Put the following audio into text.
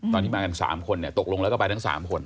ตอนที่มากัน๓คนตกลงแล้วก็ไปทั้ง๓คน